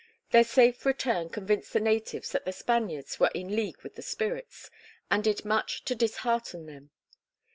Their safe return convinced the natives that the Spaniards were in league with the spirits, and did much to dishearten them.